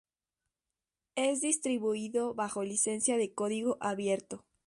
Es distribuido bajo licencia de código abierto.